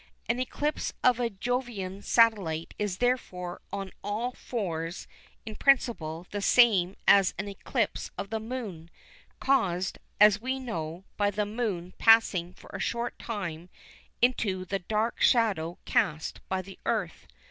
An eclipse of a Jovian satellite is therefore on all fours in principle the same as an eclipse of the Moon, caused, as we know, by the Moon passing for a short time into the dark shadow cast by the Earth.